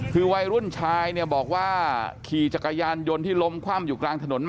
คือวัยรุ่นชายเนี่ยบอกว่าขี่จักรยานยนต์ที่ล้มคว่ำอยู่กลางถนนมา